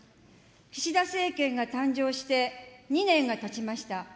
岸田政権が誕生して２年がたちました。